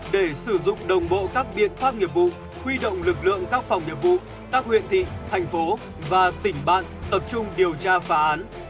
để sử dụng đồng bộ các biện pháp nghiệp vụ huy động lực lượng các phòng nhiệm vụ các huyện thị thành phố và tỉnh bạn tập trung điều tra phá án